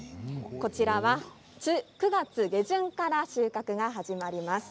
こちらは、９月下旬から収穫が始まります。